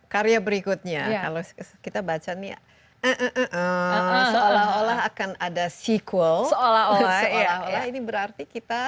karya berikutnya kalau kita baca nih seolah olah akan ada sequal seolah olah ini berarti kita